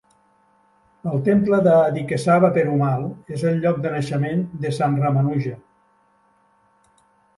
El Temple de Adikesava Perumal és el lloc de naixement de Sant Ramanuja.